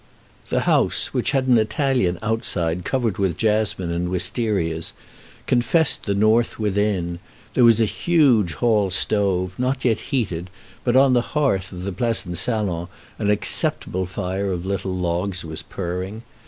The house, which had an Italian outside covered with jasmine and wistarias, confessed the North within. There was a huge hall stove, not yet heated, but on the hearth of the pleasant salon an acceptable fire of little logs was purring.